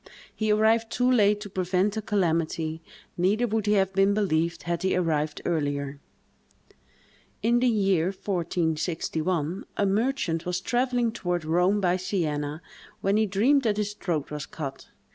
He arrived too late to prevent the calamity; neither would he have been believed, had he arrived earlier. In the year 1461, a merchant was travelling toward Rome by Sienna, when he dreamed that his throat was cut.